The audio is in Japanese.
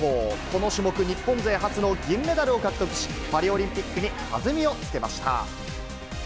この種目、日本勢初の銀メダルを獲得し、パリオリンピックに弾みをつけました。